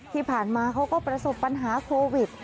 ที่ผ่านมาเขาก็ประสบปัญหาโควิด